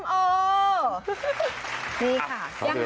ไม่ใช่แค่นี้